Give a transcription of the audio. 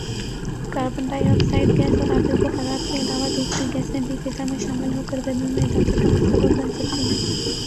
carbon dioxide gas اور آبی بخارات کے علاوہ ، دوسری گیسیں بھی فضا میں شامل ہوکر گرمی میں اضافے کا سبب بن سکتی ہیں